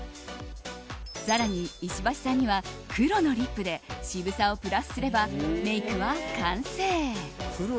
更に石橋さんには黒のリップで渋さをプラスすればメイクは完成。